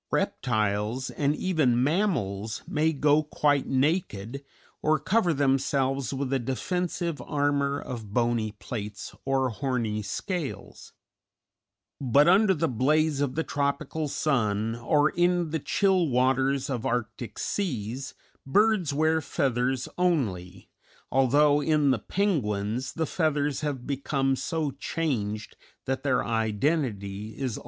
Reptiles, and even mammals, may go quite naked or cover themselves with a defensive armor of bony plates or horny scales; but under the blaze of the tropical sun or in the chill waters of arctic seas birds wear feathers only, although in the penguins the feathers have become so changed that their identity is almost lost.